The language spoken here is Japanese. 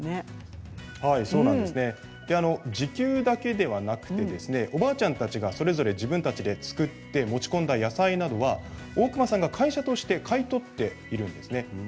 時給だけではなくておばあちゃんたちがそれぞれ自分たちで作って持ち込んだ野菜などは大熊さんが会社として買い取っているんですね。